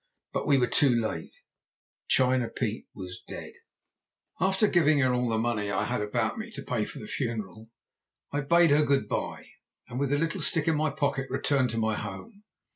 But we were too late China Pete was dead. "After giving her all the money I had about me to pay for the funeral, I bade her good bye, and with the little stick in my pocket returned to my home.